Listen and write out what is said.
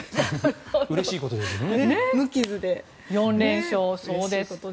うれしいことですね。